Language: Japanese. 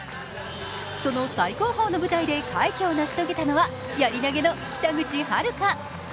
その最高峰の舞台で快挙を成し遂げたのは、やり投げの北口榛花。